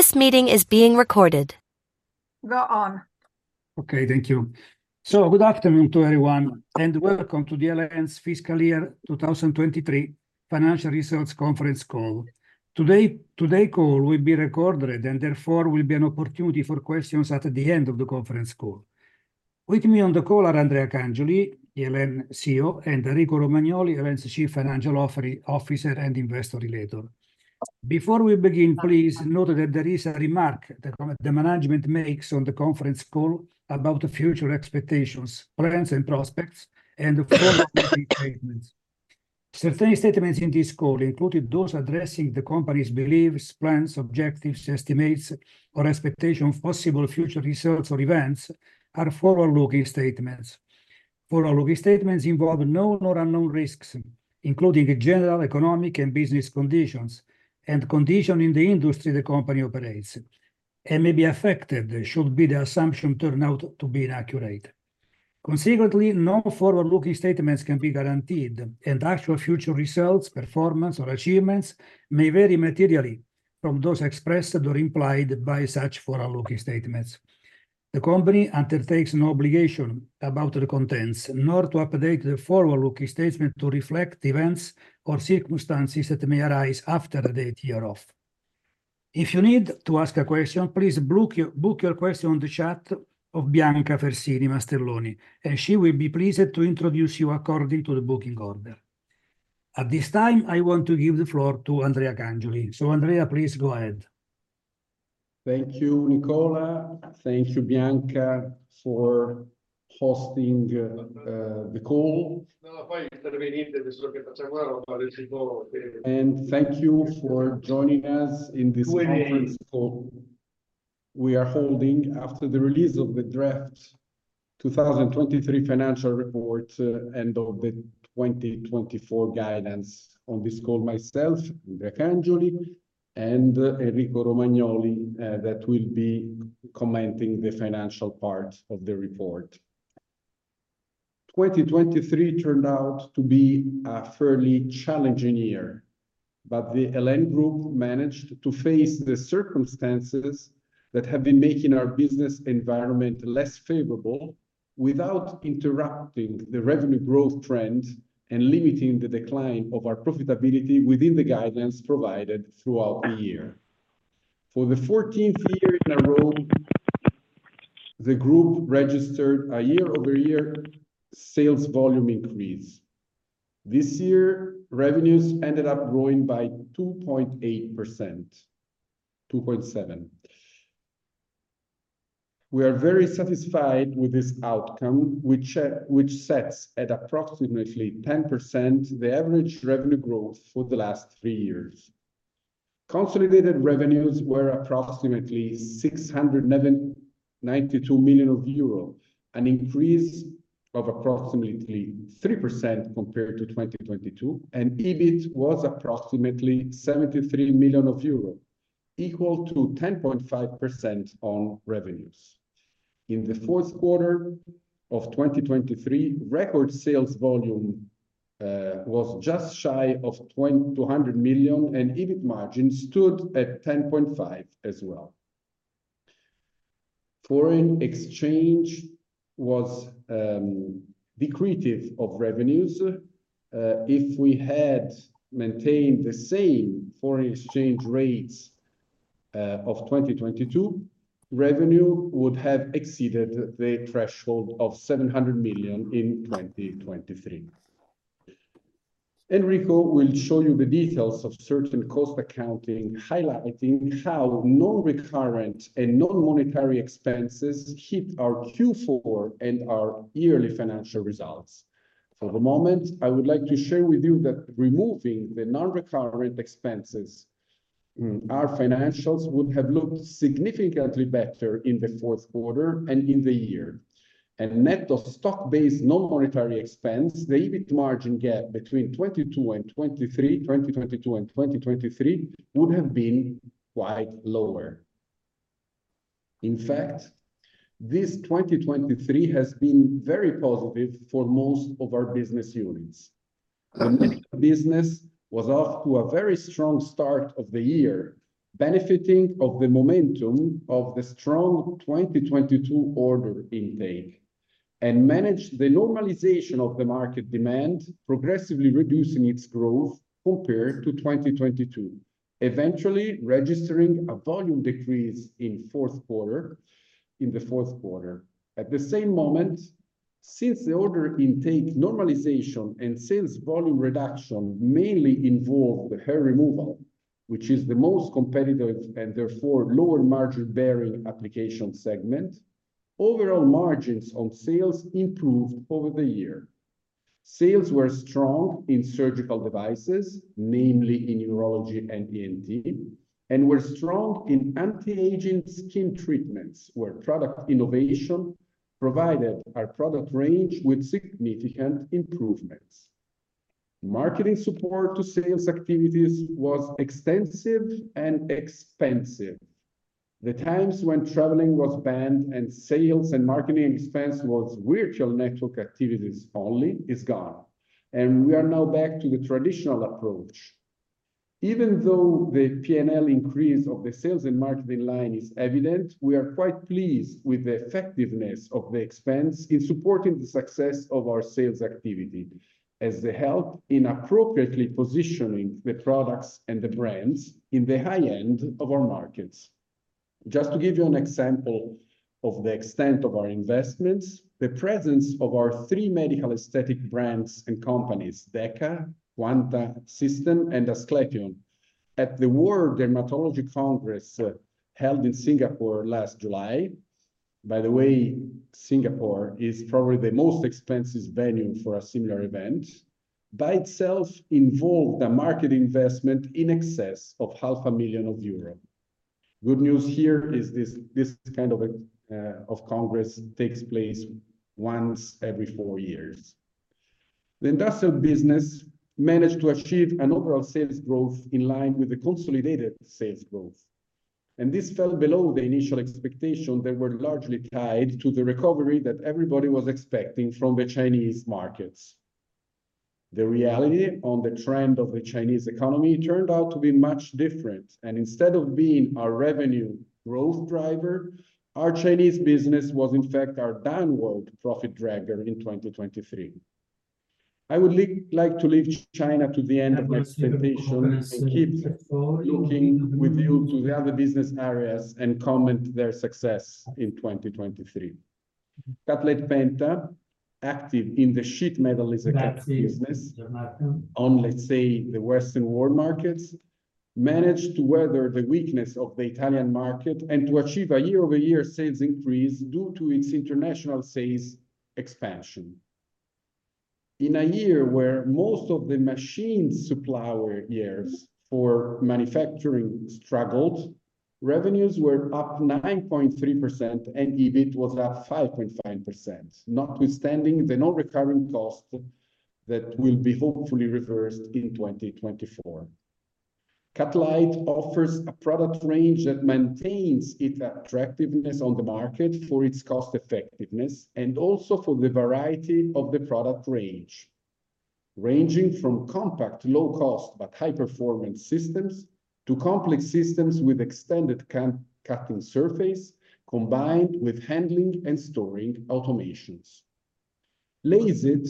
This meeting is being recorded. Go on. Okay, thank you. Good afternoon to everyone, and welcome to the El.En.'s Fiscal Year 2023 Financial Results Conference Call. Today's call will be recorded, and therefore will be an opportunity for questions at the end of the conference call. With me on the call are Andrea Cangioli, El.En. CEO, and Enrico Romagnoli, El.En.'s Chief Financial Officer and Investor Relator. Before we begin, please note that there is a remark the management makes on the conference call about future expectations, plans, and prospects, and forward-looking statements. Certain statements in this call, including those addressing the company's beliefs, plans, objectives, estimates, or expectations of possible future results or events, are forward-looking statements. Forward-looking statements involve known or unknown risks, including general, economic, and business conditions, and conditions in the industry the company operates, and may be affected should the assumption turn out to be inaccurate. Consequently, no forward-looking statements can be guaranteed, and actual future results, performance, or achievements may vary materially from those expressed or implied by such forward-looking statements. The company undertakes no obligation about the contents, nor to update the forward-looking statement to reflect events or circumstances that may arise after the date hereof. If you need to ask a question, please book your question on the chat of Bianca Fersini Mastelloni, and she will be pleased to introduce you according to the booking order. At this time, I want to give the floor to Andrea Cangioli. Andrea, please go ahead. Thank you, Nicola. Thank you, Bianca, for hosting the call. Thank you for joining us in this conference call we are holding after the release of the draft 2023 financial report and of the 2024 guidance. On this call, myself, Andrea Cangioli, and Enrico Romagnoli that will be commenting the financial part of the report. 2023 turned out to be a fairly challenging year, but the EL.En. Group managed to face the circumstances that have been making our business environment less favorable without interrupting the revenue growth trend and limiting the decline of our profitability within the guidance provided throughout the year. For the 14th year in a row, the group registered a year-over-year sales volume increase. This year, revenues ended up growing by 2.8%. 2.7%. We are very satisfied with this outcome, which sets at approximately 10% the average revenue growth for the last three years. Consolidated revenues were approximately 692 million euro, an increase of approximately 3% compared to 2022, and EBIT was approximately 73 million euros, equal to 10.5% on revenues. In the 4th quarter of 2023, record sales volume was just shy of 200 million, and EBIT margin stood at 10.5% as well. Foreign exchange was detrimental of revenues. If we had maintained the same foreign exchange rates of 2022, revenue would have exceeded the threshold of 700 million in 2023. Enrico will show you the details of certain cost accounting, highlighting how non-recurrent and non-monetary expenses hit our Q4 and our yearly financial results. For the moment, I would like to share with you that removing the non-recurrent expenses, our financials would have looked significantly better in the 4th quarter and in the year. Net of stock-based non-monetary expense, the EBIT margin gap between 2022 and 2023, 2022 and 2023, would have been quite lower. In fact, this 2023 has been very positive for most of our business units. Enrico's business was off to a very strong start of the year, benefiting from the momentum of the strong 2022 order intake, and managed the normalization of the market demand, progressively reducing its growth compared to 2022, eventually registering a volume decrease in the 4th quarter. At the same moment, since the order intake normalization and sales volume reduction mainly involved the hair removal, which is the most competitive and therefore lower margin-bearing application segment, overall margins on sales improved over the year. Sales were strong in surgical devices, namely in neurology and ENT, and were strong in anti-aging skin treatments, where product innovation provided our product range with significant improvements. Marketing support to sales activities was extensive and expensive. The times when traveling was banned and sales and marketing expense was virtual network activities only is gone, and we are now back to the traditional approach. Even though the P&L increase of the sales and marketing line is evident, we are quite pleased with the effectiveness of the expense in supporting the success of our sales activity as the help in appropriately positioning the products and the brands in the high end of our markets. Just to give you an example of the extent of our investments, the presence of our three medical aesthetic brands and companies, DEKA, Quanta System, and Asclepion, at the World Dermatology Congress held in Singapore last July. By the way, Singapore is probably the most expensive venue for a similar event. By itself, it involved a market investment in excess of 500,000 euro. Good news here is this kind of congress takes place once every four years. The industrial business managed to achieve an overall sales growth in line with the consolidated sales growth. This fell below the initial expectation that were largely tied to the recovery that everybody was expecting from the Chinese markets. The reality on the trend of the Chinese economy turned out to be much different, and instead of being our revenue growth driver, our Chinese business was, in fact, our downward profit dragger in 2023. I would like to leave China to the end of my presentation and keep looking with you to the other business areas and comment their success in 2023. Cutlite Penta, active in the sheet metal cutting business on, let's say, the Western world markets, managed to weather the weakness of the Italian market and to achieve a year-over-year sales increase due to its international sales expansion. In a year where most of the machine suppliers in manufacturing struggled, revenues were up 9.3% and EBIT was up 5.5%, notwithstanding the non-recurring cost that will be hopefully reversed in 2024. Cutlite offers a product range that maintains its attractiveness on the market for its cost effectiveness and also for the variety of the product range, ranging from compact, low-cost, but high-performance systems to complex systems with extended cutting surface combined with handling and storing automations. LASIT,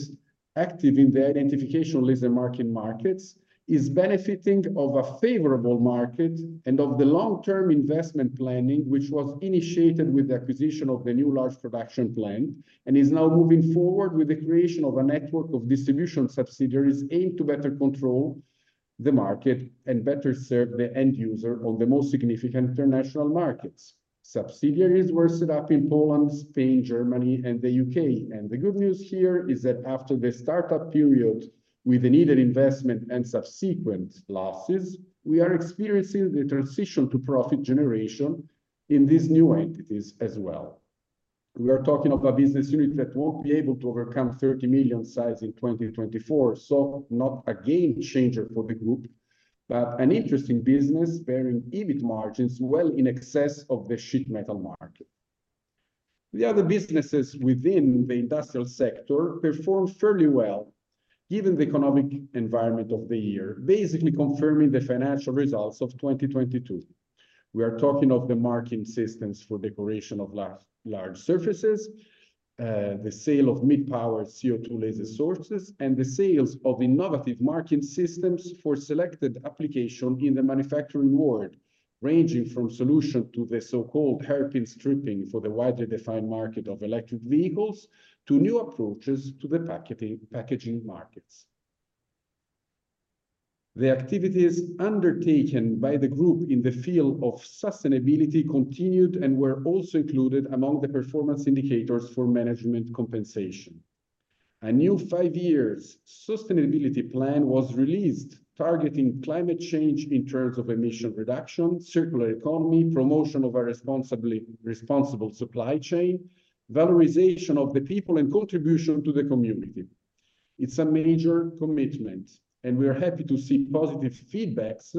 active in the identification laser marking markets, is benefiting of a favorable market and of the long-term investment planning, which was initiated with the acquisition of the new large production plant and is now moving forward with the creation of a network of distribution subsidiaries aimed to better control the market and better serve the end user on the most significant international markets. Subsidiaries were set up in Poland, Spain, Germany, and the U.K. The good news here is that after the startup period with the needed investment and subsequent losses, we are experiencing the transition to profit generation in these new entities as well. We are talking of a business unit that won't be able to overcome 30 million size in 2024, so not a game changer for the group, but an interesting business bearing EBIT margins well in excess of the sheet metal market. The other businesses within the industrial sector performed fairly well given the economic environment of the year, basically confirming the financial results of 2022. We are talking of the marking systems for decoration of large surfaces, the sale of mid-power CO2 laser sources, and the sales of innovative marking systems for selected application in the manufacturing world, ranging from solutions to the so-called hairpin stripping for the widely defined market of electric vehicles to new approaches to the packaging markets. The activities undertaken by the group in the field of sustainability continued and were also included among the performance indicators for management compensation. A new five year sustainability plan was released targeting climate change in terms of emission reduction, circular economy, promotion of a responsible supply chain, valorization of the people, and contribution to the community. It's a major commitment, and we are happy to see positive feedbacks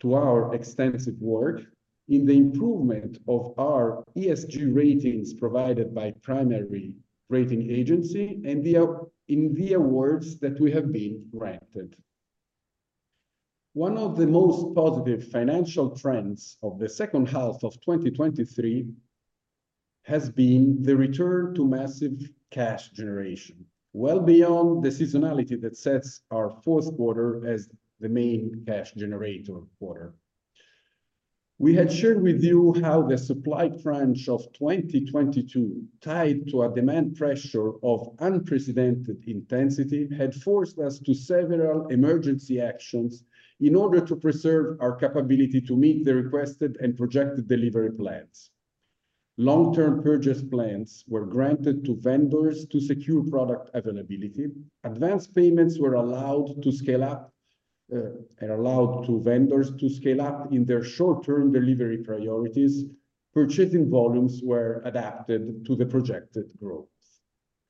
to our extensive work in the improvement of our ESG ratings provided by primary rating agency and in the awards that we have been granted. One of the most positive financial trends of the second half of 2023 has been the return to massive cash generation, well beyond the seasonality that sets our 4th quarter as the main cash generator quarter. We had shared with you how the supply crunch of 2022 tied to a demand pressure of unprecedented intensity had forced us to several emergency actions in order to preserve our capability to meet the requested and projected delivery plans. Long-term purchase plans were granted to vendors to secure product availability. Advance payments were allowed to scale up and allowed vendors to scale up in their short-term delivery priorities. Purchasing volumes were adapted to the projected growth.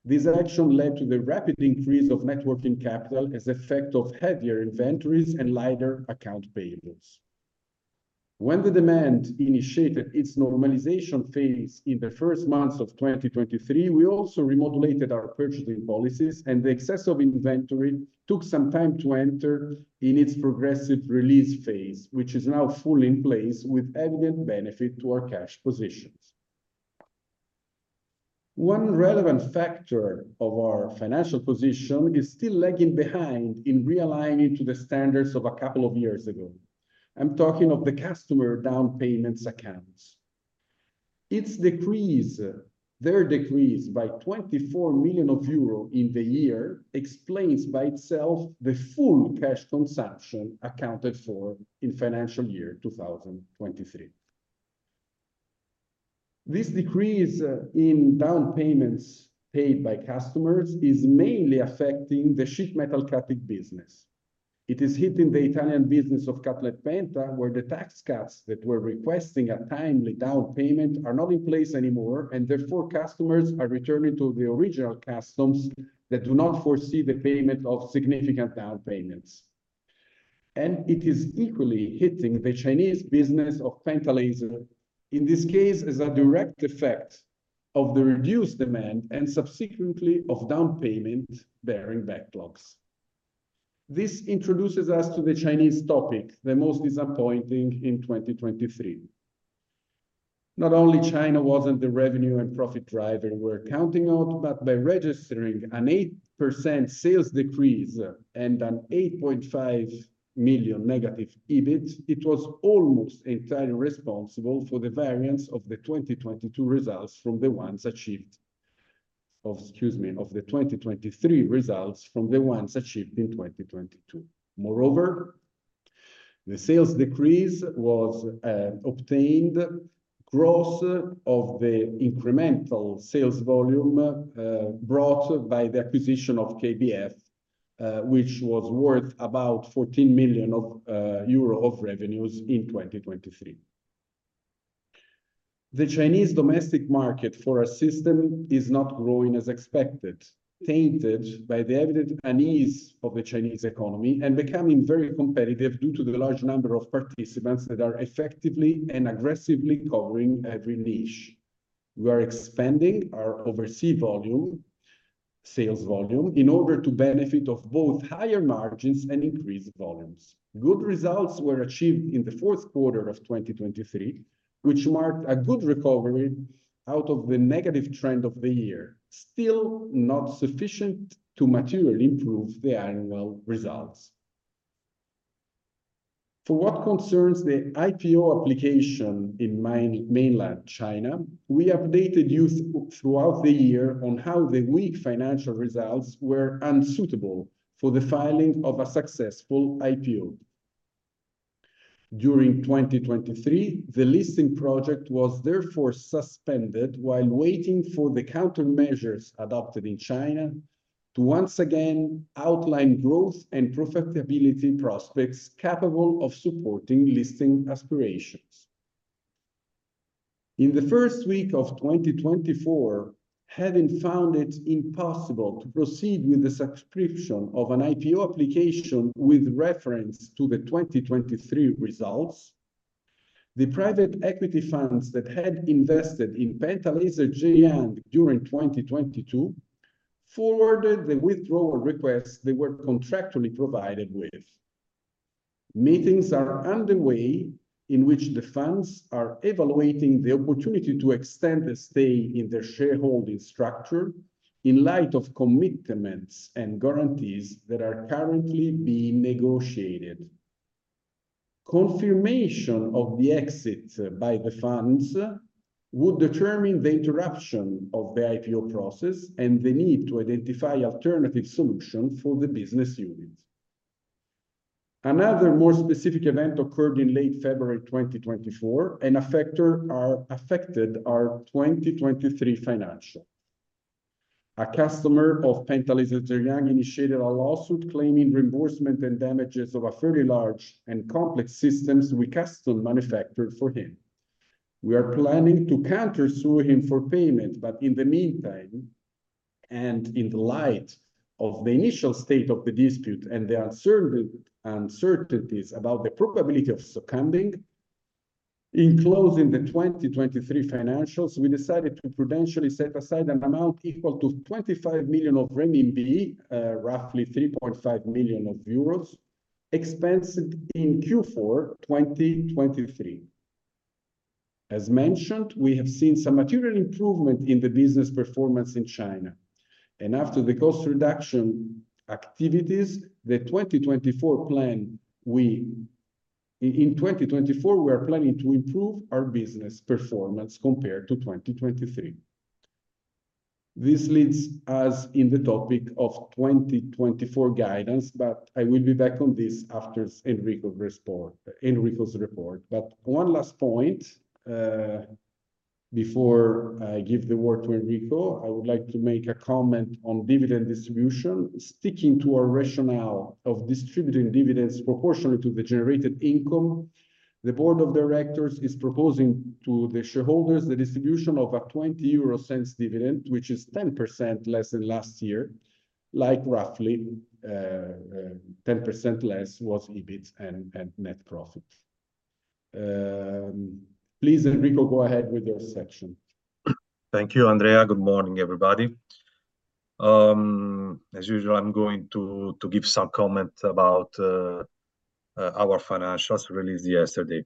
This action led to the rapid increase of net working capital as an effect of heavier inventories and lighter accounts payable. When the demand initiated its normalization phase in the first months of 2023, we also remodulated our purchasing policies, and the excess of inventory took some time to enter into its progressive release phase, which is now fully in place with evident benefit to our cash positions. One relevant factor of our financial position is still lagging behind in realigning to the standards of a couple of years ago. I'm talking of the customer down payments accounts. Its decrease, their decrease by 24 million euro in the year explains by itself the full cash consumption accounted for in financial year 2023. This decrease in down payments paid by customers is mainly affecting the sheet metal cutting business. It is hitting the Italian business of Cutlite Penta, where the tax cuts that were requesting a timely down payment are not in place anymore, and therefore customers are returning to the original customs that do not foresee the payment of significant down payments. It is equally hitting the Chinese business of Penta Laser. In this case, as a direct effect of the reduced demand and subsequently of down payment bearing backlogs. This introduces us to the Chinese topic, the most disappointing in 2023. Not only China wasn't the revenue and profit driver we're counting on, but by registering an 8% sales decrease and an 8.5 million negative EBIT, it was almost entirely responsible for the variance of the 2022 results from the ones achieved. Excuse me, of the 2023 results from the ones achieved in 2022. Moreover, the sales decrease was obtained gross of the incremental sales volume brought by the acquisition of KBF, which was worth about 14 million of euros of revenues in 2023. The Chinese domestic market for our system is not growing as expected, tainted by the evident unease of the Chinese economy and becoming very competitive due to the large number of participants that are effectively and aggressively covering every niche. We are expanding our overseas volume, sales volume, in order to benefit of both higher margins and increased volumes. Good results were achieved in the 4th quarter of 2023, which marked a good recovery out of the negative trend of the year, still not sufficient to materially improve the annual results. For what concerns the IPO application in mainland China, we updated you throughout the year on how the weak financial results were unsuitable for the filing of a successful IPO. During 2023, the listing project was therefore suspended while waiting for the countermeasures adopted in China to once again outline growth and profitability prospects capable of supporting listing aspirations. In the first week of 2024, having found it impossible to proceed with the subscription of an IPO application with reference to the 2023 results, the private equity funds that had invested in Penta Laser Zhejiang during 2022 forwarded the withdrawal requests they were contractually provided with. Meetings are underway in which the funds are evaluating the opportunity to extend the stay in their shareholding structure in light of commitments and guarantees that are currently being negotiated. Confirmation of the exit by the funds would determine the interruption of the IPO process and the need to identify alternative solutions for the business unit. Another more specific event occurred in late February 2024 and affected our 2023 financials. A customer of Penta Laser Zhejiang initiated a lawsuit claiming reimbursement and damages of a fairly large and complex systems we custom manufactured for him. We are planning to countersue him for payment, but in the meantime, and in the light of the initial state of the dispute and the uncertainties about the probability of succumbing. In closing the 2023 financials, we decided to prudentially set aside an amount equal to 25 million renminbi, roughly 3.5 million euros expensed in Q4 2023. As mentioned, we have seen some material improvement in the business performance in China. After the cost reduction activities, the 2024 plan we in 2024, we are planning to improve our business performance compared to 2023. This leads us in the topic of 2024 guidance, but I will be back on this after Enrico's report. One last point. Before I give the word to Enrico, I would like to make a comment on dividend distribution, sticking to our rationale of distributing dividends proportionally to the generated income. The board of directors is proposing to the shareholders the distribution of a 20 euro dividend, which is 10% less than last year. Like roughly 10% less was EBIT and net profit. Please, Enrico, go ahead with your section. Thank you, Andrea. Good morning, everybody. As usual, I'm going to give some comment about our financials released yesterday.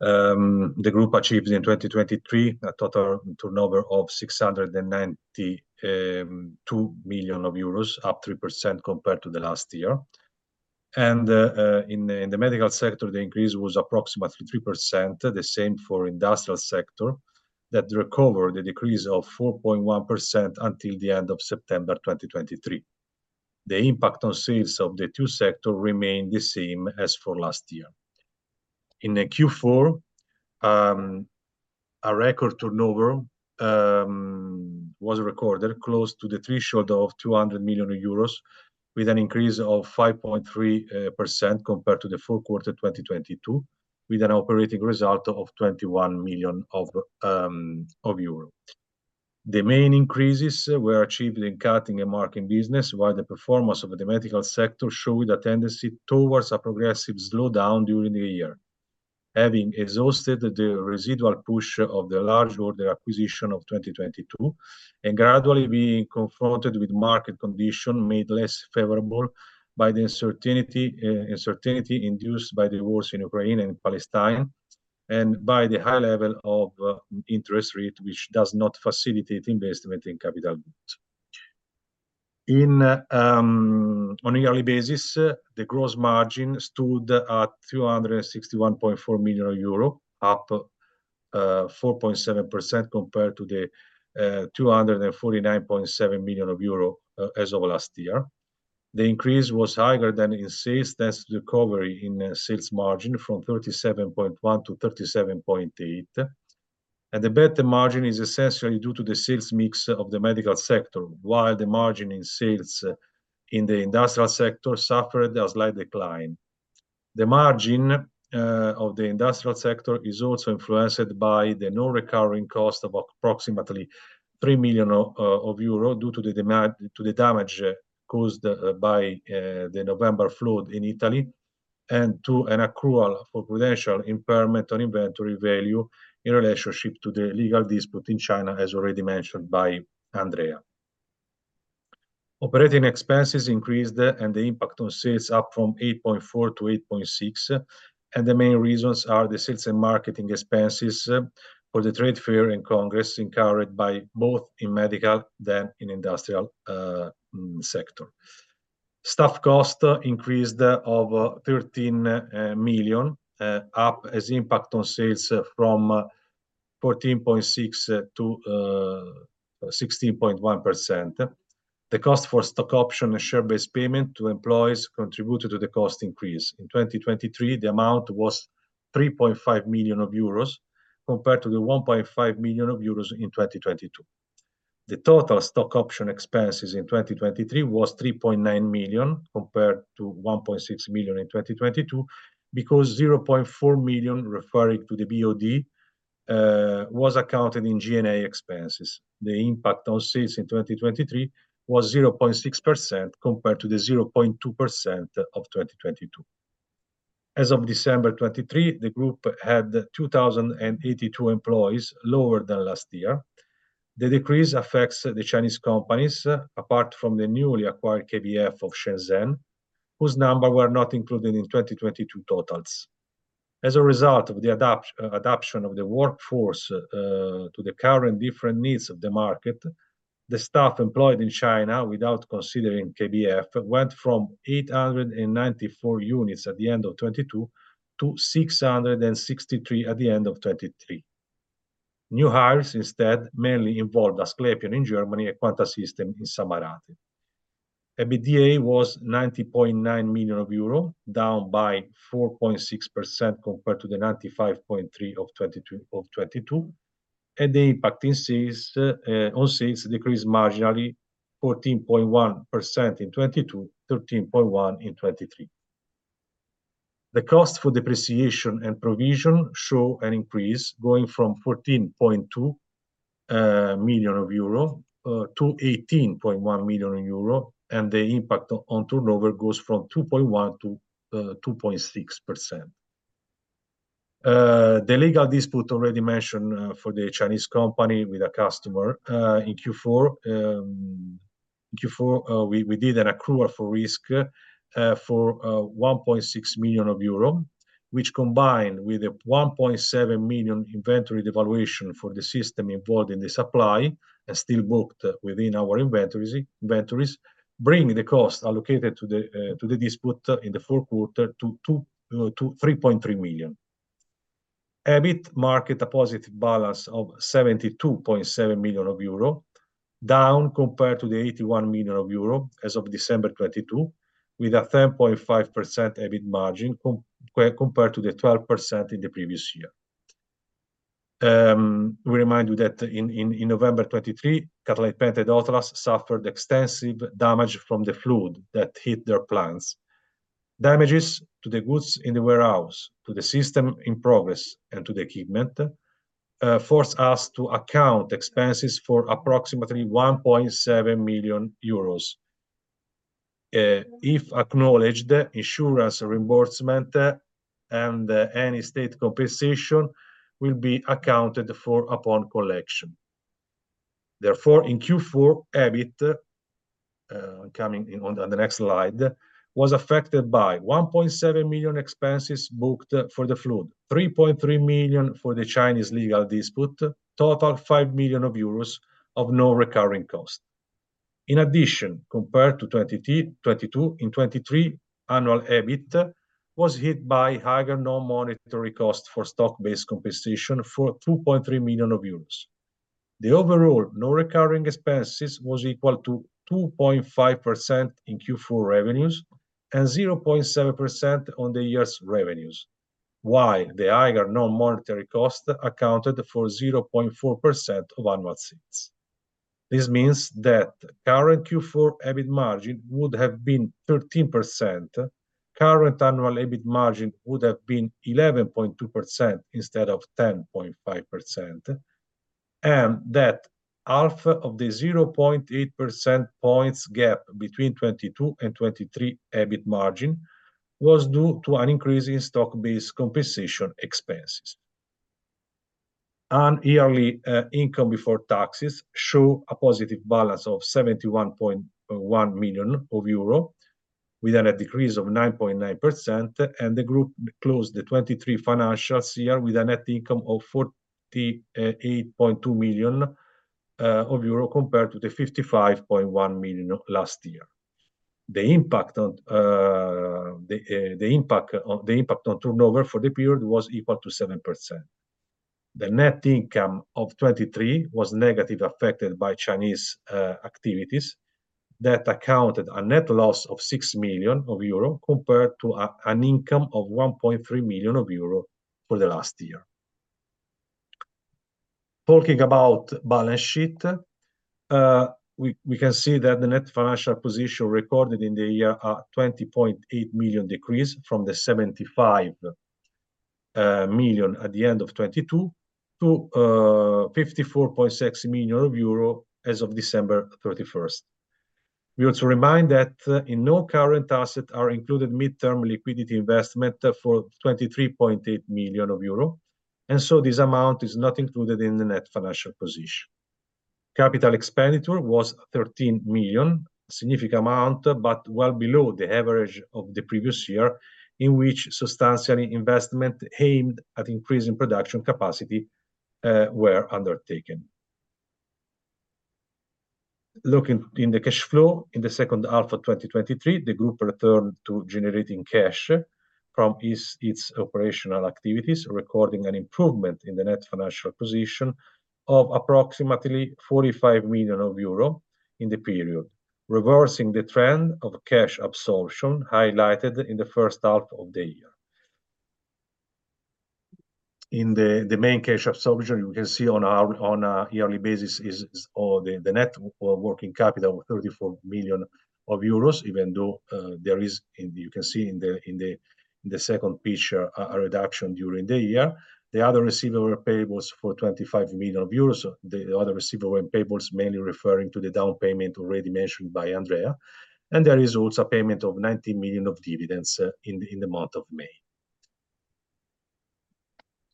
The group achieved in 2023 a total turnover of 692 million euros, up 3% compared to the last year. In the medical sector, the increase was approximately 3%, the same for the industrial sector that recovered the decrease of 4.1% until the end of September 2023. The impact on sales of the two sectors remained the same as for last year. In Q4, a record turnover was recorded close to the threshold of 200 million euros with an increase of 5.3% compared to the 4th quarter 2022, with an operating result of 21 million of euros. The main increases were achieved in cutting and marking business, while the performance of the medical sector showed a tendency towards a progressive slowdown during the year. Having exhausted the residual push of the large order acquisition of 2022 and gradually being confronted with market conditions made less favorable by the uncertainty induced by the wars in Ukraine and Palestine and by the high level of interest rates, which does not facilitate investment in capital goods. On a yearly basis, the gross margin stood at 261.4 million euro, up 4.7% compared to the 249.7 million euro as of last year. The increase was higher than in sales thanks to the recovery in sales margin from 37.1%-37.8%. The better margin is essentially due to the sales mix of the medical sector, while the margin in sales in the industrial sector suffered a slight decline. The margin of the industrial sector is also influenced by the non-recurring cost of approximately 3 million euro due to the damage caused by the November flood in Italy and to an accrual for prudential impairment on inventory value in relationship to the legal dispute in China, as already mentioned by Andrea. Operating expenses increased, and the impact on sales up from 8.4%8.6%. The main reasons are the sales and marketing expenses for the trade fair and congress incurred both in the medical and in the industrial sector. Staff cost increased of 13 million, up as the impact on sales from 14.6%-16.1%. The cost for stock option and share-based payment to employees contributed to the cost increase. In 2023, the amount was 3.5 million euros compared to the 1.5 million euros in 2022. The total stock option expenses in 2023 were 3.9 million compared to 1.6 million in 2022 because 0.4 million referring to the BOD was accounted in G&A expenses. The impact on sales in 2023 was 0.6% compared to the 0.2% of 2022. As of December 2023, the group had 2,082 employees lower than last year. The decrease affects the Chinese companies, apart from the newly acquired KBF of Shenzhen, whose numbers were not included in 2022 totals. As a result of the adaptation of the workforce to the current different needs of the market, the staff employed in China without considering KBF went from 894 units at the end of 2022 to 663 at the end of 2023. New hires instead mainly involved Asclepion in Germany and Quanta System in Samarate. EBITDA was 90.9 million euro, down by 4.6% compared to the 95.3 million of 2022. The impact on sales decreased marginally: 14.1% in 2022, 13.1% in 2023. The cost for depreciation and provision show an increase going from 14.2 million-18.1 million euro, and the impact on turnover goes from 2.1% to 2.6%. The legal dispute already mentioned for the Chinese company with a customer in Q4. In Q4, we did an accrual for risk for 1.6 million euro, which combined with the 1.7 million inventory devaluation for the system involved in the supply and still booked within our inventories, brings the cost allocated to the dispute in the 4th quarter to 3.3 million. EBIT marked a positive balance of 72.7 million euro, down compared to the 81 million euro as of December 2022, with a 10.5% EBIT margin compared to the 12% in the previous year. We remind you that in November 2023, Cutlite Penta and Ot-Las suffered extensive damage from the flood that hit their plants. Damages to the goods in the warehouse, to the system in progress, and to the equipment forced us to account expenses for approximately 1.7 million euros. If acknowledged, insurance reimbursement and any state compensation will be accounted for upon collection. Therefore, in Q4, EBIT on the next slide was affected by 1.7 million expenses booked for the flood, 3.3 million for the Chinese legal dispute, total 5 million euros of non-recurring costs. In addition, compared to 2022, annual EBIT was hit by higher non-monetary costs for stock-based compensation for 2.3 million euros. The overall non-recurring expenses were equal to 2.5% in Q4 revenues and 0.7% on the year's revenues, while the higher non-monetary costs accounted for 0.4% of annual sales. This means that current Q4 EBIT margin would have been 13%, current annual EBIT margin would have been 11.2% instead of 10.5%, and that half of the 0.8 percentage points gap between 2022 and 2023 EBIT margin was due to an increase in stock-based compensation expenses. Annual income before taxes showed a positive balance of 71.1 million euro, with a net decrease of 9.9%, and the group closed the 2023 financial year with a net income of 48.2 million euro compared to the 55.1 million last year. The impact on turnover for the period was equal to 7%. The net income of 2023 was negatively affected by Chinese activities that accounted for a net loss of 6 million euro compared to an income of 1.3 million euro for the last year. Talking about the balance sheet, we can see that the net financial position recorded in the year is a 20.8 million decrease from the 75 million at the end of 2022 to 54.6 million euro as of December 31st. We also remind that in non-current assets are included mid-term liquidity investments for 23.8 million euro, and so this amount is not included in the net financial position. Capital expenditure was 13 million, a significant amount but well below the average of the previous year in which substantial investments aimed at increasing production capacity were undertaken. Looking at the cash flow in the second half 2023, the group returned to generating cash from its operational activities, recording an improvement in the net financial position of approximately 45 million euro in the period, reversing the trend of cash absorption highlighted in the first half of the year. In the main cash absorption, you can see on a yearly basis the net working capital of 34 million euros, even though there is, you can see in the second picture, a reduction during the year. The other receivable payables for 25 million euros, the other receivable and payables mainly referring to the down payment already mentioned by Andrea. There is also a payment of 19 million of dividends in the month of May.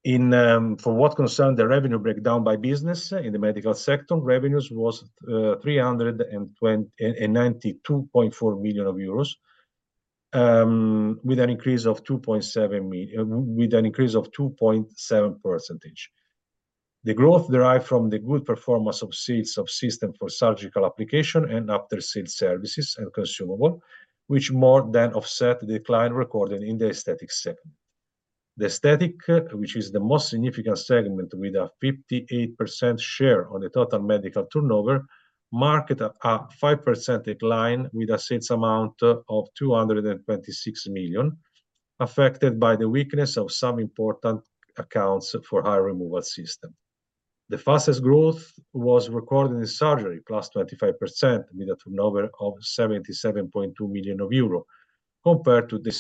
For what concerns the revenue breakdown by business in the medical sector, revenues were 392.4 million euros with an increase of 2.7%. The growth derived from the good performance of sales of systems for surgical application and after-sales services and consumables, which more than offset the decline recorded in the aesthetic segment. The aesthetic, which is the most significant segment with a 58% share on the total medical turnover, marked a 5% decline with a sales amount of 226 million, affected by the weakness of some important accounts for hair removal systems. The fastest growth was recorded in surgery, +25% with a turnover of 77.2 million euro compared to the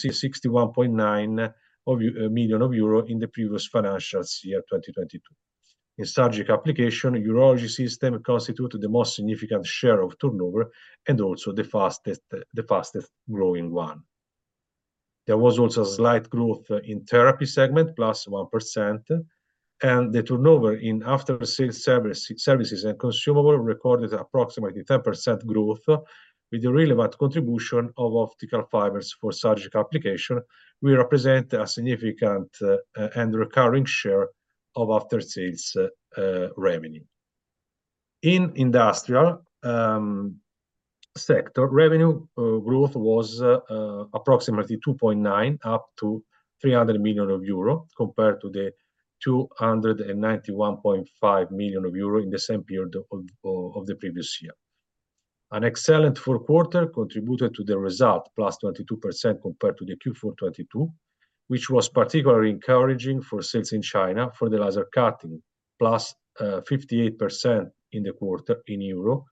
61.9 million euro in the previous financial year 2022. In surgical application, urology systems constituted the most significant share of turnover and also the fastest growing one. There was also a slight growth in the therapy segment, +1%, and the turnover in after-sales services and consumables recorded approximately 10% growth, with a relevant contribution of optical fibers for surgical application, which represents a significant and recurring share of after-sales revenue. In the industrial sector, revenue growth was approximately 2.9%, up to 300 million euro compared to the 291.5 million euro in the same period of the previous year. An excellent fourth quarter contributed to the result, plus 22% compared to Q4 2022, which was particularly encouraging for sales in China for the laser cutting, plus 58% in the quarter in euro,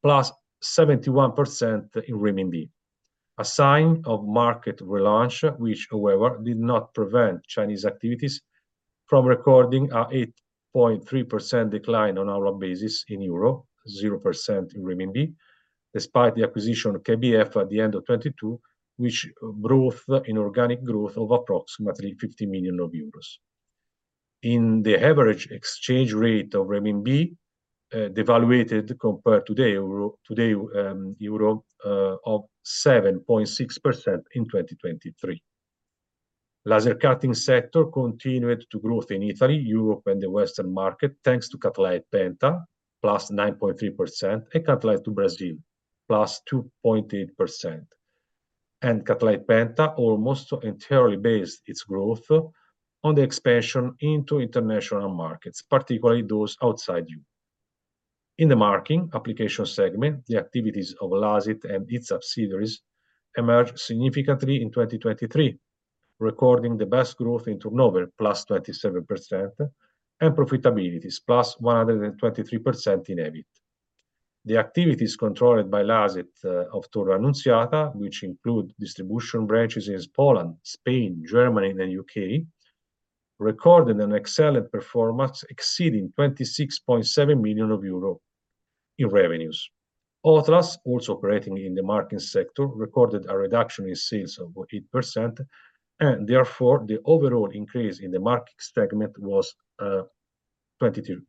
plus 71% in renminbi. A sign of market relaunch, which, however, did not prevent Chinese activities from recording an 8.3% decline on annual basis in euro, 0% in renminbi, despite the acquisition of KBF at the end of 2022, which brought in organic growth of approximately 50 million euros. In the average exchange rate of renminbi, devalued compared to the euro today, it was 7.6% in 2023. The laser cutting sector continued to grow in Italy, Europe, and the Western markets thanks to Cutlite Penta, plus 9.3%, and Cutlite Brazil, plus 2.8%. Cutlite Penta almost entirely based its growth on the expansion into international markets, particularly those outside Europe. In the marking application segment, the activities of LASIT and its subsidiaries emerged significantly in 2023, recording the best growth in turnover, +27%, and profitabilities, +123% in EBIT. The activities controlled by LASIT of Torre Annunziata, which include distribution branches in Poland, Spain, Germany, and the U.K., recorded an excellent performance exceeding 26.7 million euro in revenues. Atlas, also operating in the marking sector, recorded a reduction in sales of 8%, and therefore the overall increase in the marking segment was 22%.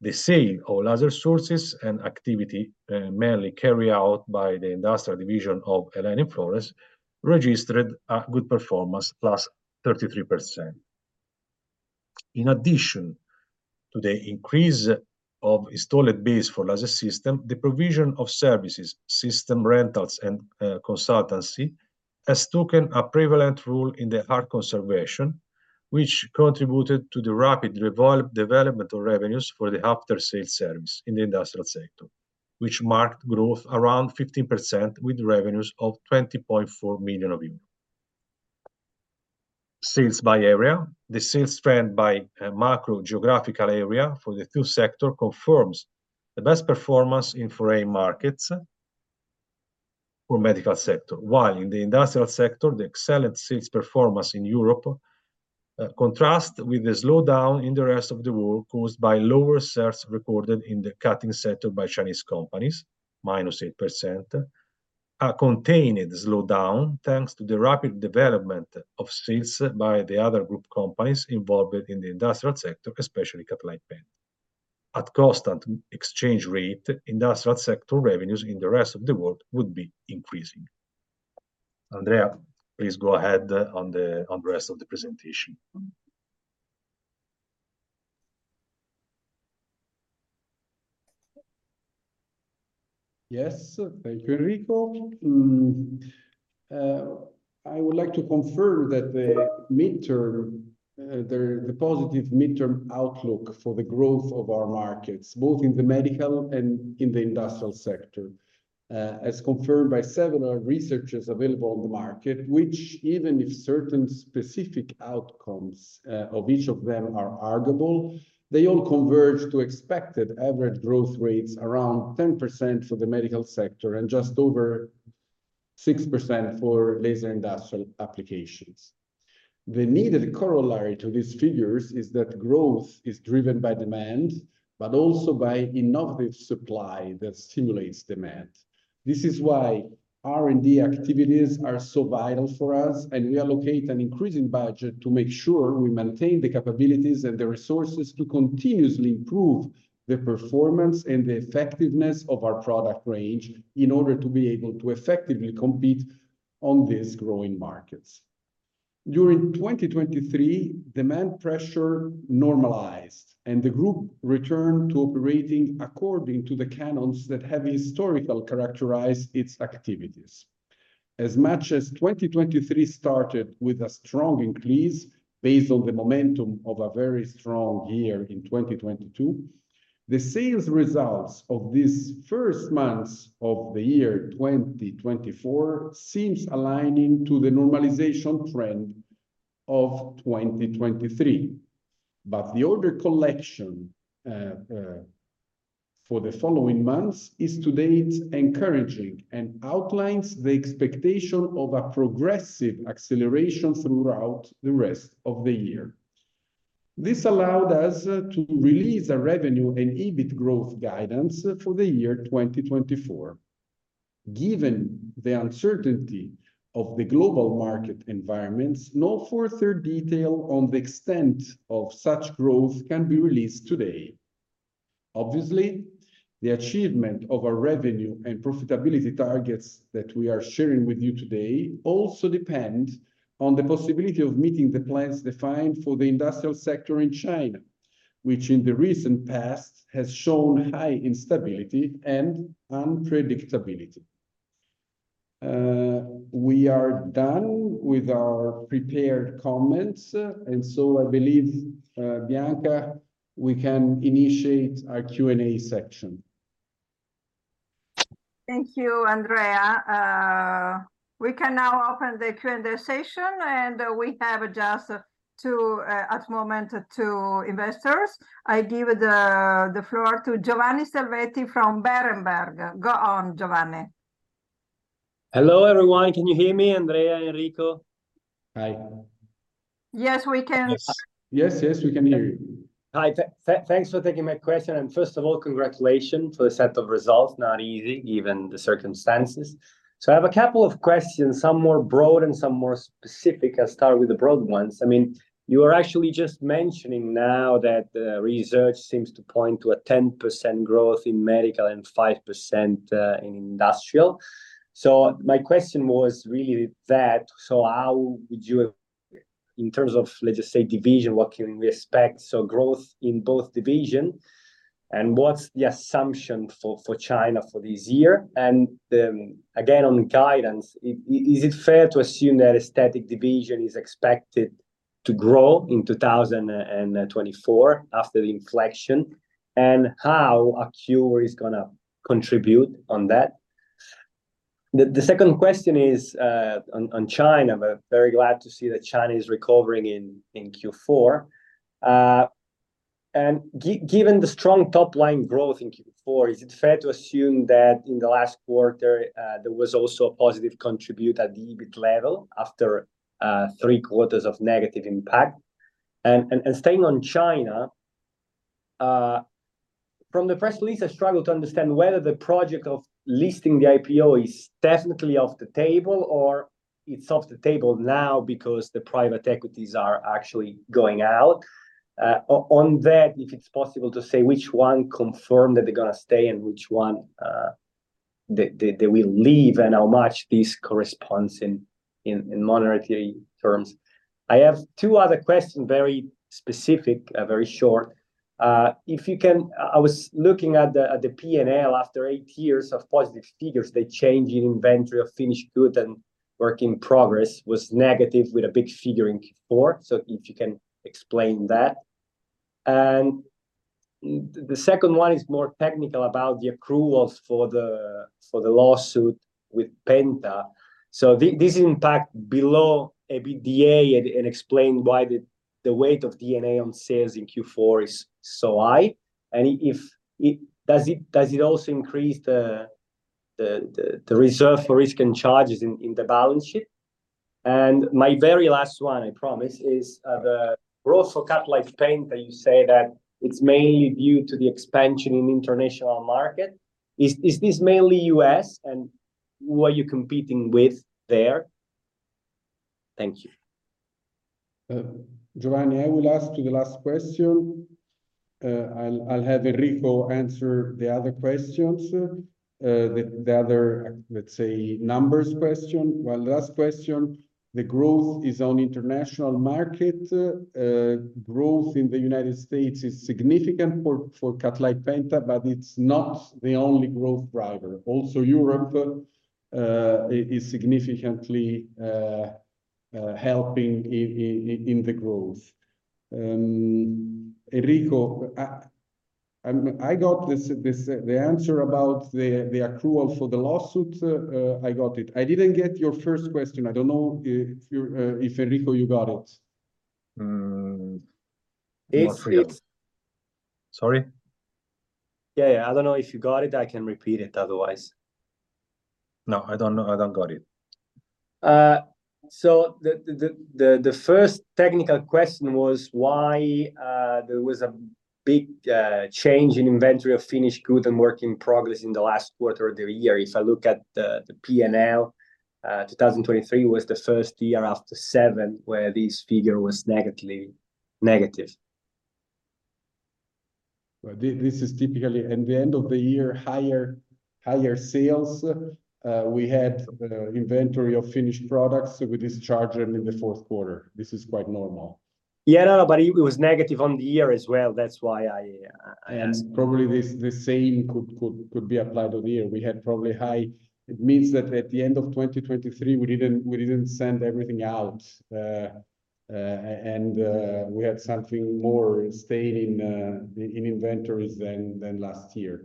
The sale of laser sources and activities mainly carried out by the industrial division of EL.En. and Florence registered a good performance, +33%. In addition to the increase of installed base for laser systems, the provision of services, system rentals, and consultancy has taken a prevalent role in the art conservation, which contributed to the rapid development of revenues for the after-sales service in the industrial sector, which marked growth around 15% with revenues of 20.4 million euros. Sales by area: the sales trend by macrogeographical area for the two sectors confirms the best performance in four-area markets for the medical sector, while in the industrial sector, the excellent sales performance in Europe contrasts with the slowdown in the rest of the world caused by lower sales recorded in the cutting sector by Chinese companies, -8%, a contained slowdown thanks to the rapid development of sales by the other group companies involved in the industrial sector, especially Cutlite Penta. At a constant exchange rate, industrial sector revenues in the rest of the world would be increasing. Andrea, please go ahead on the rest of the presentation. Yes, thank you, Enrico. I would like to confirm that the positive mid-term outlook for the growth of our markets, both in the medical and in the industrial sector, is confirmed by several researchers available on the market, which, even if certain specific outcomes of each of them are arguable, they all converge to expected average growth rates around 10% for the medical sector and just over 6% for laser industrial applications. The needed corollary to these figures is that growth is driven by demand, but also by innovative supply that stimulates demand. This is why R&D activities are so vital for us, and we allocate an increasing budget to make sure we maintain the capabilities and the resources to continuously improve the performance and the effectiveness of our product range in order to be able to effectively compete on these growing markets. During 2023, demand pressure normalized, and the group returned to operating according to the canons that have historically characterized its activities. As much as 2023 started with a strong increase based on the momentum of a very strong year in 2022, the sales results of these first months of the year 2024 seem to be aligning with the normalization trend of 2023. But the order collection for the following months is to date encouraging and outlines the expectation of a progressive acceleration throughout the rest of the year. This allowed us to release a revenue and EBIT growth guidance for the year 2024. Given the uncertainty of the global market environments, no further detail on the extent of such growth can be released today. Obviously, the achievement of our revenue and profitability targets that we are sharing with you today also depends on the possibility of meeting the plans defined for the industrial sector in China, which in the recent past has shown high instability and unpredictability. We are done with our prepared comments, and so I believe, Bianca, we can initiate our Q&A section. Thank you, Andrea. We can now open the Q&A session, and we have just two, at the moment, two investors. I give the floor to Giovanni Salvetti from Berenberg. Go on, Giovanni. Hello, everyone. Can you hear me, Andrea, Enrico? Hi. Yes, we can. Yes, yes, we can hear you. Hi. Thanks for taking my question. And first of all, congratulations for the set of results, not easy given the circumstances. So I have a couple of questions, some more broad and some more specific. I'll start with the broad ones. I mean, you were actually just mentioning now that research seems to point to a 10% growth in medical and 5% in industrial. So my question was really that, so how would you, in terms of, let's just say, division, what can we expect? So growth in both divisions, and what's the assumption for China for this year? And again, on guidance, is it fair to assume that aesthetic division is expected to grow in 2024 after the inflection? And how is Cure going to contribute on that? The second question is on China. I'm very glad to see that China is recovering in Q4. Given the strong top-line growth in Q4, is it fair to assume that in the last quarter there was also a positive contribution at the EBIT level after three quarters of negative impact? Staying on China, from the press release, I struggle to understand whether the project of listing the IPO is definitely off the table or it's off the table now because the private equities are actually going out. On that, if it's possible to say which one confirmed that they're going to stay and which one they will leave and how much this corresponds in monetary terms. I have two other questions, very specific, very short. If you can, I was looking at the P&L after eight years of positive figures. The change in inventory of finished goods and work in progress was negative with a big figure in Q4. If you can explain that. The second one is more technical about the accruals for the lawsuit with Penta. So this impact below EBITDA and explain why the weight of EBITDA on sales in Q4 is so high. And does it also increase the reserve for risk and charges in the balance sheet? And my very last one, I promise, is the growth for Cutlite Penta, you say that it's mainly due to the expansion in the international market. Is this mainly US? And who are you competing with there? Thank you. Giovanni, I will ask you the last question. I'll have Enrico answer the other questions, the other, let's say, numbers question. Well, the last question, the growth is on the international market. Growth in the United States is significant for Cutlite Penta, but it's not the only growth driver. Also, Europe is significantly helping in the growth. Enrico, I got the answer about the accrual for the lawsuit. I got it. I didn't get your first question. I don't know if Enrico, you got it. Sorry? Yeah, yeah. I don't know if you got it. I can repeat it otherwise. No, I don't know. I don't got it. So the first technical question was why there was a big change in inventory of finished goods and work in progress in the last quarter of the year. If I look at the P&L, 2023 was the first year after seven where this figure was negative. This is typically at the end of the year, higher sales. We had inventory of finished products with discharges in the fourth quarter. This is quite normal. Yeah, no, no, but it was negative on the year as well. That's why I asked. And probably the same could be applied to the year. We had probably higher, it means that at the end of 2023, we didn't send everything out, and we had something more staying in inventories than last year.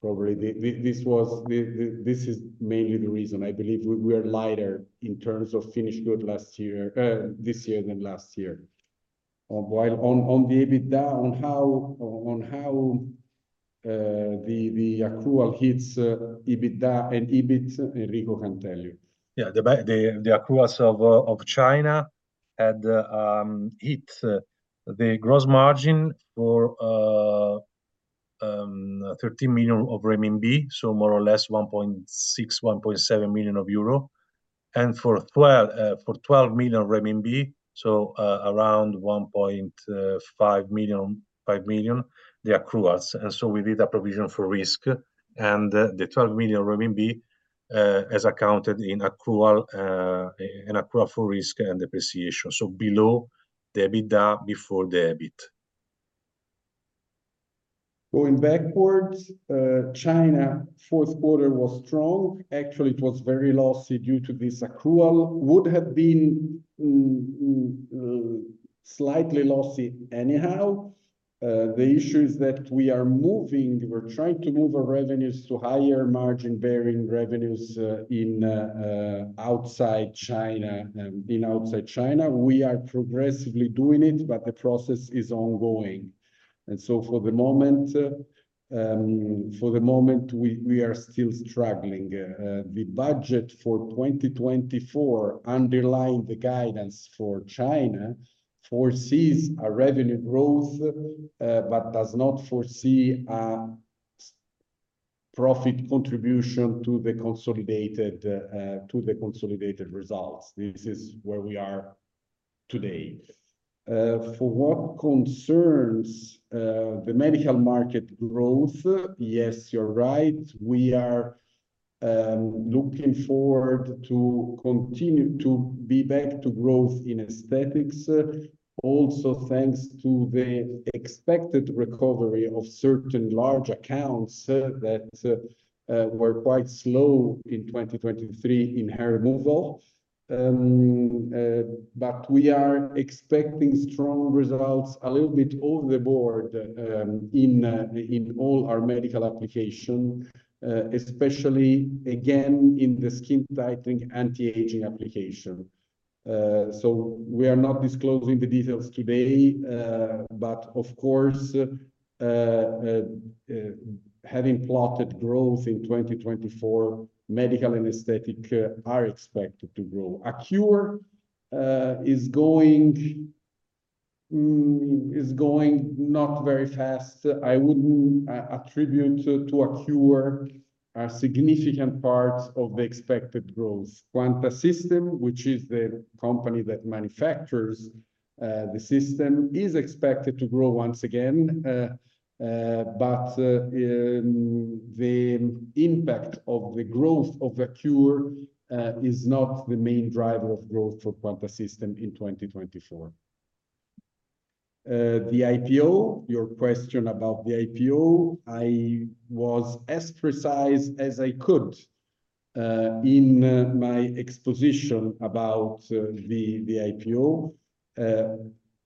Probably this is mainly the reason. I believe we are lighter in terms of finished goods this year than last year. While on the EBITDA, on how the accrual hits EBITDA and EBIT, Enrico can tell you. Yeah, the accruals of China had hit the gross margin for 13 million RMB, so more or less 1.6 million-1.7 million euro. And for 12 million RMB, so around 1.5 million, the accruals. And so we did a provision for risk, and the 12 million RMB is accounted in accrual for risk and depreciation, so below the EBITDA before the EBIT. Going backwards, China fourth quarter was strong. Actually, it was very lossy due to this accrual. Would have been slightly lossy anyhow. The issue is that we are moving, we're trying to move our revenues to higher margin-bearing revenues outside China. We are progressively doing it, but the process is ongoing. And so for the moment, we are still struggling. The budget for 2024 underlined the guidance for China, foresees a revenue growth, but does not foresee a profit contribution to the consolidated results. This is where we are today. For what concerns the medical market growth, yes, you're right. We are looking forward to be back to growth in aesthetics, also thanks to the expected recovery of certain large accounts that were quite slow in 2023 in hair removal. But we are expecting strong results a little bit over the board in all our medical applications, especially, again, in the skin tightening anti-aging application. So we are not disclosing the details today, but of course, having plotted growth in 2024, medical and aesthetic are expected to grow. Accure is going not very fast. I wouldn't attribute to Accure a significant part of the expected growth. Quanta System, which is the company that manufactures the system, is expected to grow once again. But the impact of the growth of Accure is not the main driver of growth for Quanta System in 2024. The IPO, your question about the IPO, I was as precise as I could in my exposition about the IPO.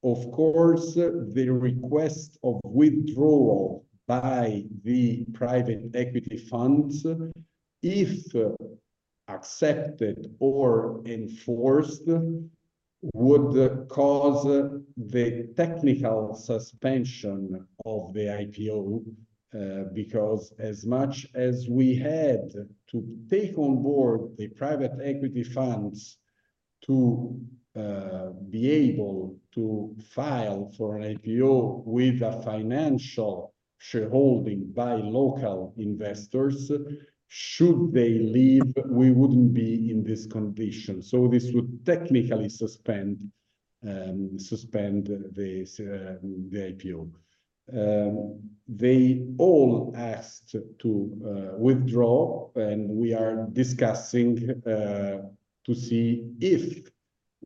Of course, the request of withdrawal by the private equity funds, if accepted or enforced, would cause the technical suspension of the IPO because as much as we had to take on board the private equity funds to be able to file for an IPO with a financial shareholding by local investors, should they leave, we wouldn't be in this condition. So this would technically suspend the IPO. They all asked to withdraw, and we are discussing to see if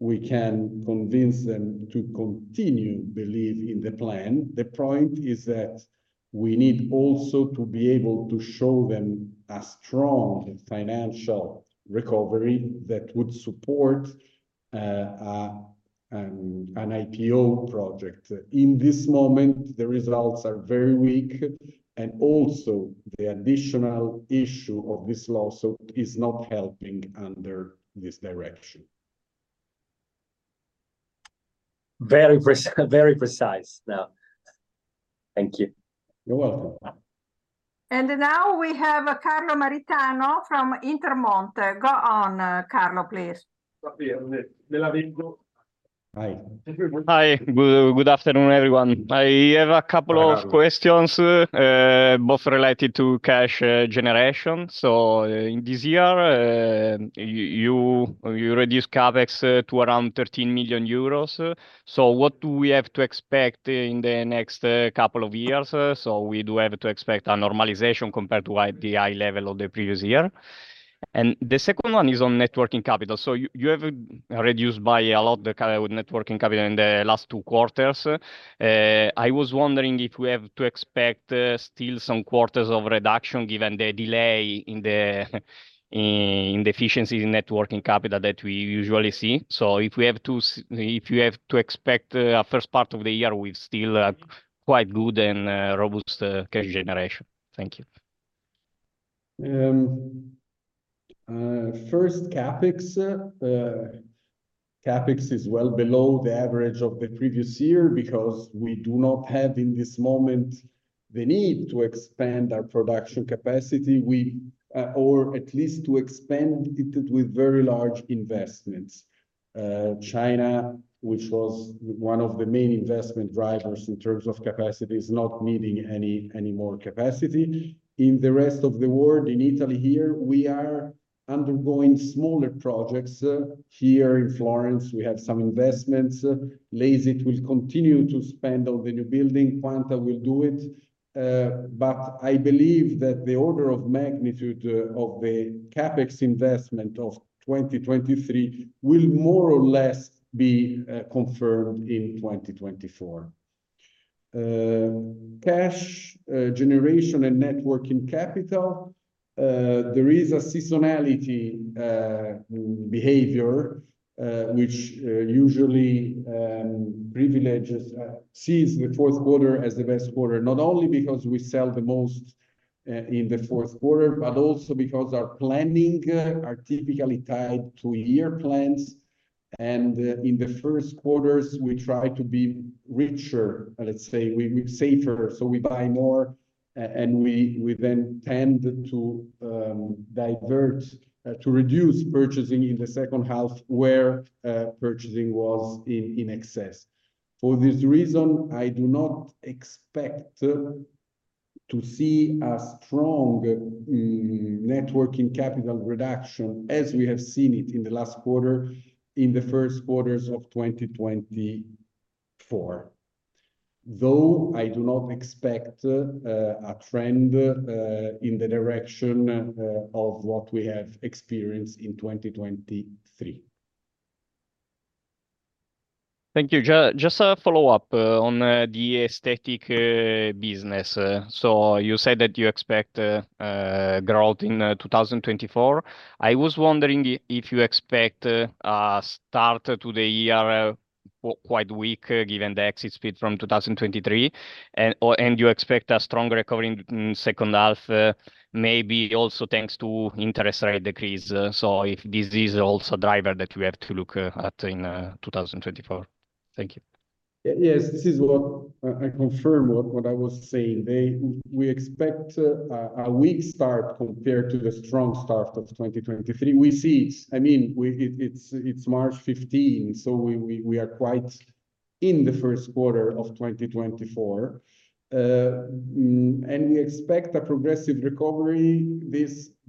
we can convince them to continue to believe in the plan. The point is that we need also to be able to show them a strong financial recovery that would support an IPO project. In this moment, the results are very weak, and also the additional issue of this lawsuit is not helping under this direction. Very precise now. Thank you. You're welcome. Now we have Carlo Maritano from Intermonte. Go on, Carlo, please. Hi. Hi. Good afternoon, everyone. I have a couple of questions, both related to cash generation. So in this year, you reduced CapEx to around 13 million euros. So what do we have to expect in the next couple of years? So we do have to expect a normalization compared to the high level of the previous year. And the second one is on working capital. So you have reduced by a lot the working capital in the last two quarters. I was wondering if we have to expect still some quarters of reduction given the delay in the efficiency in working capital that we usually see. So if we have to expect a first part of the year with still quite good and robust cash generation. Thank you. First, CapEx is well below the average of the previous year because we do not have in this moment the need to expand our production capacity or at least to expand it with very large investments. China, which was one of the main investment drivers in terms of capacity, is not needing any more capacity. In the rest of the world, in Italy here, we are undergoing smaller projects. Here in Florence, we have some investments. LASIT will continue to spend on the new building. Quanta will do it. But I believe that the order of magnitude of the CapEx investment of 2023 will more or less be confirmed in 2024. Cash generation and net working capital, there is a seasonality behavior which usually sees the fourth quarter as the best quarter, not only because we sell the most in the fourth quarter, but also because our planning are typically tied to year plans. And in the first quarters, we try to be richer, let's say, safer. So we buy more, and we then tend to divert, to reduce purchasing in the second half where purchasing was in excess. For this reason, I do not expect to see a strong net working capital reduction as we have seen it in the last quarter in the first quarters of 2024. Though I do not expect a trend in the direction of what we have experienced in 2023. Thank you. Just a follow-up on the aesthetic business. So you said that you expect growth in 2024. I was wondering if you expect a start to the year quite weak given the exit speed from 2023, and you expect a stronger recovery in the second half, maybe also thanks to interest rate decrease. So if this is also a driver that you have to look at in 2024. Thank you. Yes, this is what I confirm what I was saying. We expect a weak start compared to the strong start of 2023. We see it. I mean, it's March 15, so we are quite in the first quarter of 2024. And we expect a progressive recovery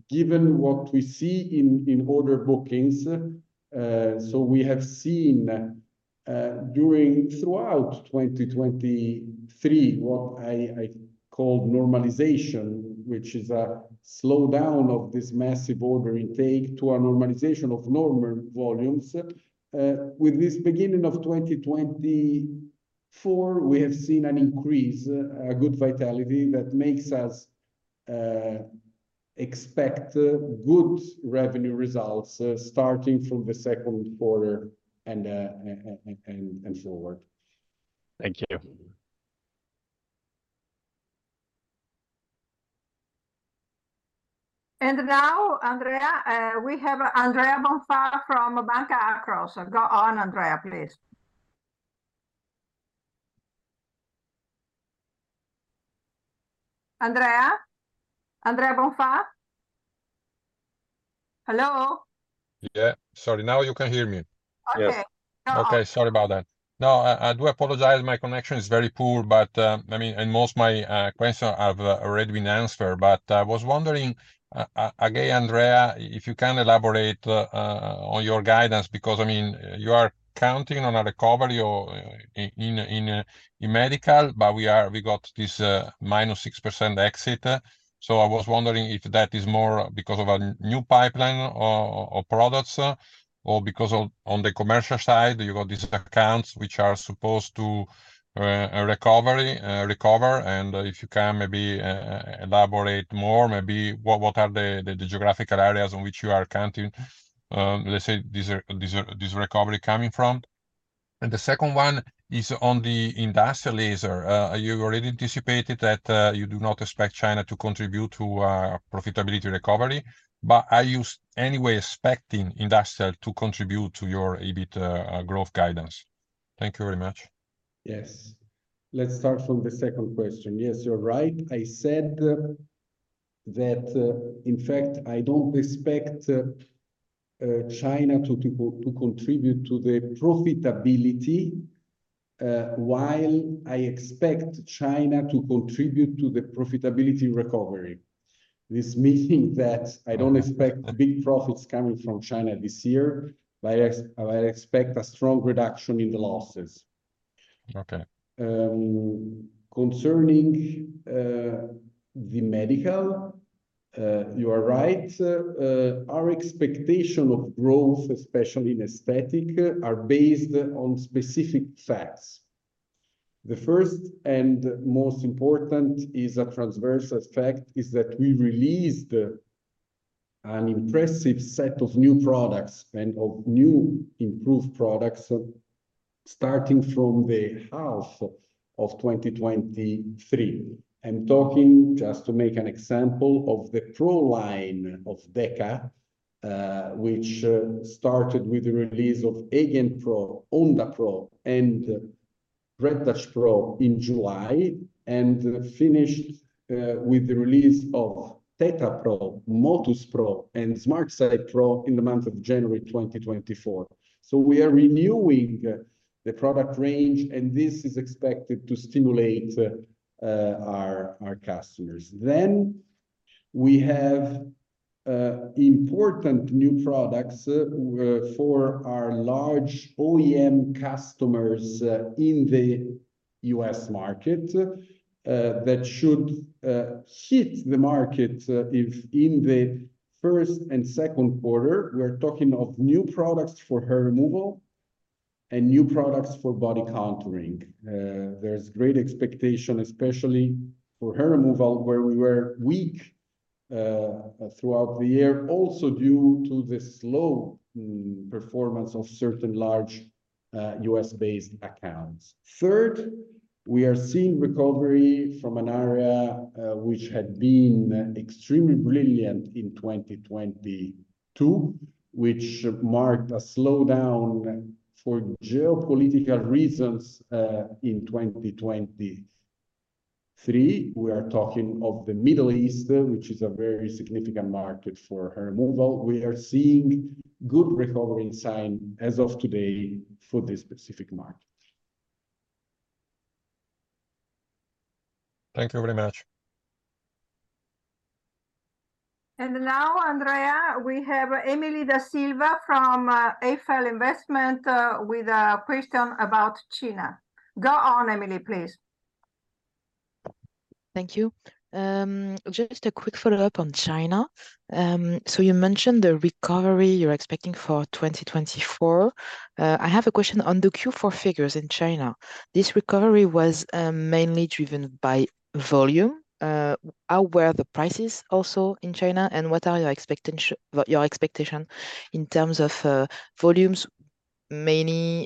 given what we see in order bookings. So we have seen throughout 2023 what I called normalization, which is a slowdown of this massive order intake to a normalization of normal volumes. With this beginning of 2024, we have seen an increase, a good vitality that makes us expect good revenue results starting from the second quarter and forward. Thank you. And now, Andrea, we have Andrea Bonfà from Banca Akros. Go on, Andrea, please. Andrea? Andrea Bonfà? Hello? Yeah, sorry. Now you can hear me. Okay. Okay, sorry about that. No, I do apologize. My connection is very poor, but I mean, and most of my questions have already been answered. But I was wondering, again, Andrea, if you can elaborate on your guidance because, I mean, you are counting on a recovery in medical, but we got this -6% exit. So I was wondering if that is more because of a new pipeline or products or because on the commercial side, you got these accounts which are supposed to recover. And if you can maybe elaborate more, maybe what are the geographical areas on which you are counting, let's say, this recovery coming from? And the second one is on the industrial laser. You already anticipated that you do not expect China to contribute to profitability recovery, but are you anyway expecting industrial to contribute to your EBIT growth guidance? Thank you very much. Yes. Let's start from the second question. Yes, you're right. I said that, in fact, I don't expect China to contribute to the profitability while I expect China to contribute to the profitability recovery. This means that I don't expect big profits coming from China this year, but I expect a strong reduction in the losses. Concerning the medical, you are right. Our expectation of growth, especially in aesthetic, is based on specific facts. The first and most important transversal fact is that we released an impressive set of new products and of new improved products starting from the half of 2023. I'm talking just to make an example of the PRO line of DEKA, which started with the release of Again PRO, Onda PRO, and RedTouch PRO in July, and finished with the release of Tetra PRO, Motus PRO, and SmartXide PRO in the month of January 2024. So we are renewing the product range, and this is expected to stimulate our customers. Then we have important new products for our large OEM customers in the US market that should hit the market in the first and second quarter. We are talking of new products for hair removal and new products for body contouring. There's great expectation, especially for hair removal, where we were weak throughout the year, also due to the slow performance of certain large U.S.-based accounts. Third, we are seeing recovery from an area which had been extremely brilliant in 2022, which marked a slowdown for geopolitical reasons in 2023. We are talking of the Middle East, which is a very significant market for hair removal. We are seeing good recovery signs as of today for this specific market. Thank you very much. And now, Andrea, we have Emily Da Silva from Eiffel Investment with a question about China. Go on, Emily, please. Thank you. Just a quick follow-up on China. So you mentioned the recovery you're expecting for 2024. I have a question on the Q4 figures in China. This recovery was mainly driven by volume. How were the prices also in China, and what are your expectations in terms of volumes, mainly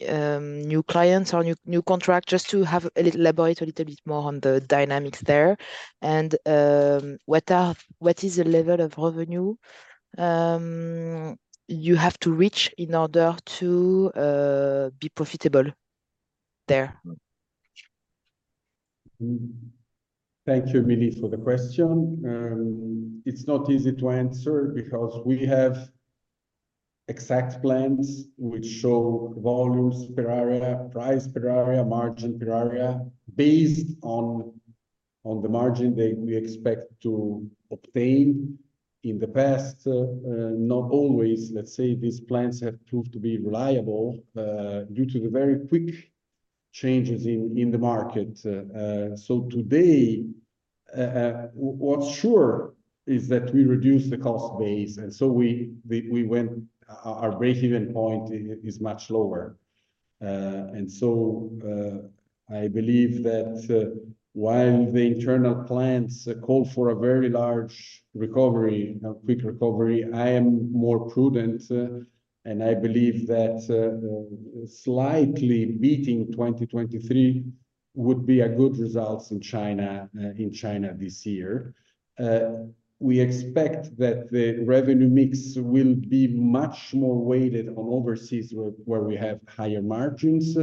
new clients or new contracts? Just to elaborate a little bit more on the dynamics there. And what is the level of revenue you have to reach in order to be profitable there? Thank you, Emily, for the question. It's not easy to answer because we have exact plans which show volumes per area, price per area, margin per area, based on the margin that we expect to obtain in the past. Not always, let's say, these plans have proved to be reliable due to the very quick changes in the market. So today, what's sure is that we reduced the cost base, and so our break-even point is much lower. And so I believe that while the internal plans call for a very large recovery, a quick recovery, I am more prudent, and I believe that slightly beating 2023 would be good results in China this year. We expect that the revenue mix will be much more weighted on overseas where we have higher margins,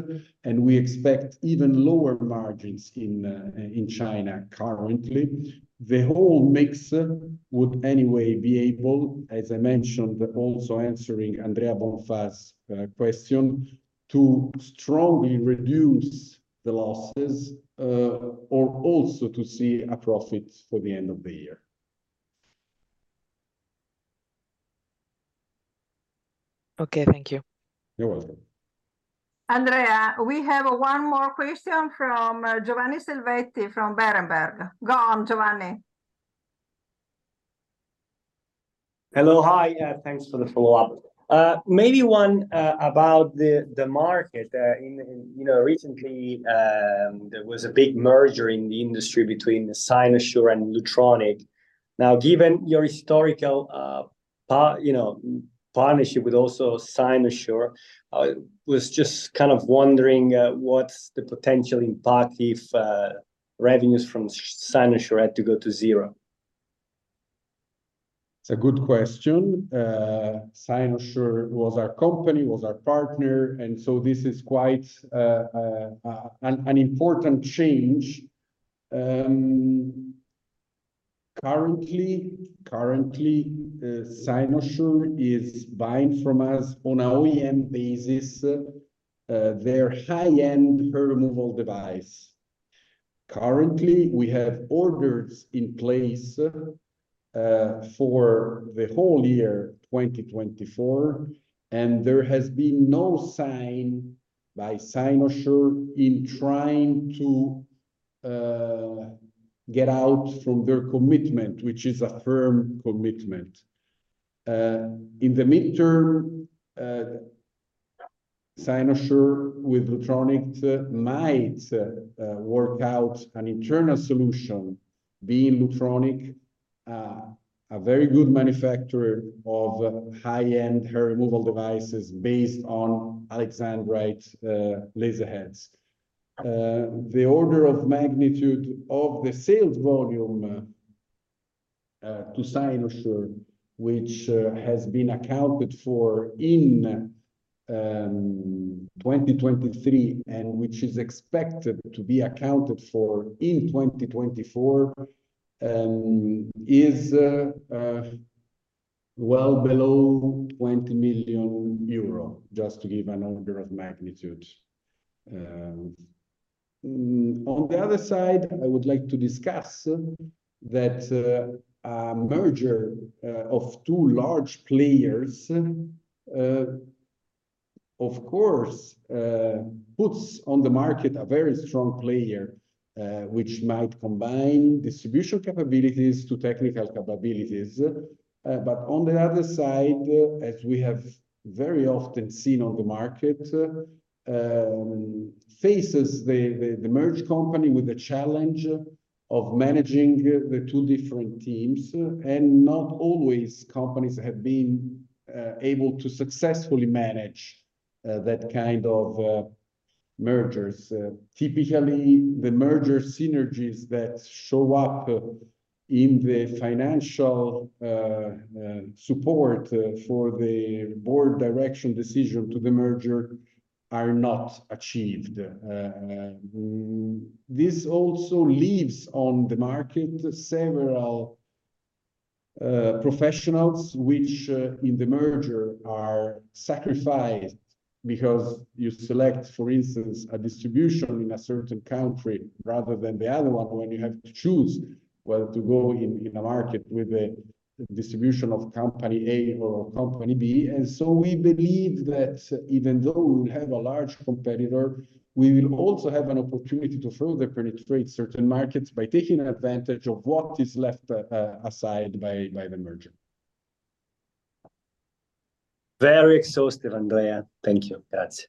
and we expect even lower margins in China currently. The whole mix would anyway be able, as I mentioned, also answering Andrea Bonfà's question, to strongly reduce the losses or also to see a profit for the end of the year. Okay, thank you. You're welcome. Andrea, we have one more question from Giovanni Salvetti from Berenberg. Go on, Giovanni. Hello, hi. Thanks for the follow-up. Maybe one about the market. Recently, there was a big merger in the industry between Cynosure and Lutronic. Now, given your historical partnership with also Cynosure, I was just kind of wondering what's the potential impact if revenues from Cynosure had to go to zero? It's a good question. Cynosure was our company, was our partner, and so this is quite an important change. Currently, Cynosure is buying from us on an OEM basis their high-end hair removal device. Currently, we have orders in place for the whole year 2024, and there has been no sign by Cynosure in trying to get out from their commitment, which is a firm commitment. In the midterm, Cynosure with Lutronic might work out an internal solution, being Lutronic, a very good manufacturer of high-end hair removal devices based on Alexandrite laserheads. The order of magnitude of the sales volume to Cynosure, which has been accounted for in 2023 and which is expected to be accounted for in 2024, is well below 20 million euro, just to give an order of magnitude. On the other side, I would like to discuss that a merger of two large players, of course, puts on the market a very strong player, which might combine distribution capabilities to technical capabilities. But on the other side, as we have very often seen on the market, faces the merged company with the challenge of managing the two different teams. And not always companies have been able to successfully manage that kind of mergers. Typically, the merger synergies that show up in the financial support for the board direction decision to the merger are not achieved. This also leaves on the market several professionals, which in the merger are sacrificed because you select, for instance, a distribution in a certain country rather than the other one when you have to choose whether to go in a market with a distribution of Company A or Company B. And so we believe that even though we will have a large competitor, we will also have an opportunity to further penetrate certain markets by taking advantage of what is left aside by the merger. Very exhaustive, Andrea. Thank you. Grazie.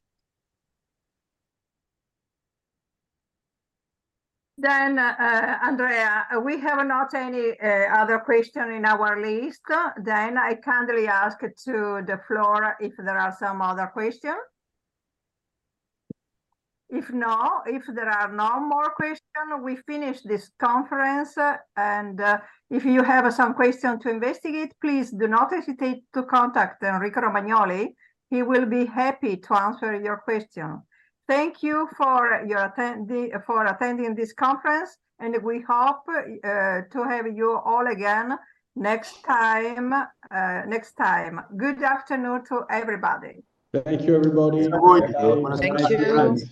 Then, Andrea, we have not any other question in our list. Then I kindly ask to the floor if there are some other questions. If there are no more questions, we finish this conference. And if you have some questions to investigate, please do not hesitate to contact Enrico Romagnoli. He will be happy to answer your question. Thank you for attending this conference, and we hope to have you all again next time. Good afternoon to everybody. Thank you, everybody. Thank you.